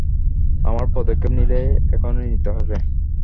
আমাদের পদক্ষেপ নিলে এখনই নিতে হবে।